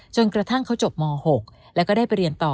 จนกระทั่งเขาจบม๖แล้วก็ได้ไปเรียนต่อ